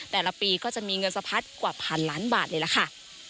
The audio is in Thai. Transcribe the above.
แต่ละปีก็จะมีเงินสะพัดกว่าพันล้านบาทเลยล่ะค่ะ